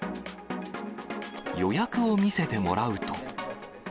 予約を見せてもらうと。